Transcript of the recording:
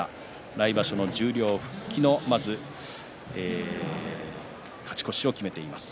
来場所の十両復帰の勝ち越しを決めています。